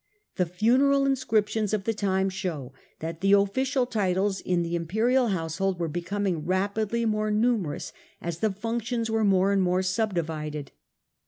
The funeral inscrip officcrSied tions of the time show that the official titles in the imperial household were becoming rapidly more numerous as the functions were more and more subdi vided.